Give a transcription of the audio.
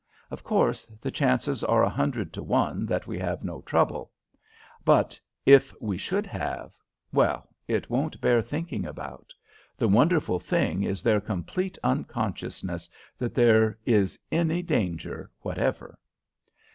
Of course, the chances are a hundred to one that we have no trouble; but if we should have well, it won't bear thinking about. The wonderful thing is their complete unconsciousness that there is any danger whatever."